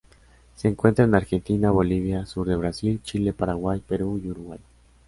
Se encuentra en Argentina, Bolivia, sur de Brasil, Chile, Paraguay, Perú y Uruguay.